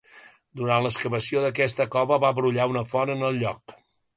Durant l'excavació d'aquesta cova, va brollar una font en el lloc.